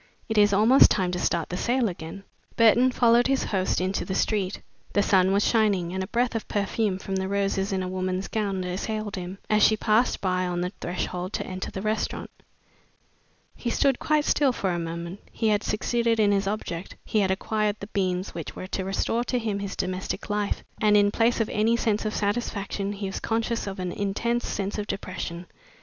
It is almost time to start the sale again." Burton followed his host into the street. The sun was shining, and a breath of perfume from the roses in a woman's gown assailed him, as she passed by on the threshold to enter the restaurant. He stood quite still for a moment. He had succeeded in his object, he had acquired the beans which were to restore to him his domestic life, and in place of any sense of satisfaction he was conscious of an intense sense of depression.